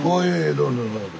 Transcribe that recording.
どうぞどうぞ。